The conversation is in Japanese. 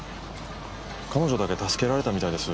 彼女だけ助けられたみたいです。